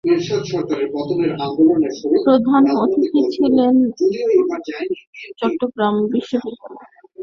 প্রধান অতিথি ছিলেন চট্টগ্রাম বিশ্ববিদ্যালয়ের আইন অনুষদের সাবেক ডিন জাকির হোসেন।